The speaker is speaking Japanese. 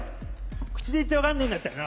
口で言って分かんねえんだったらな